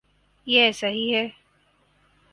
یہ ایسا ہی ہے۔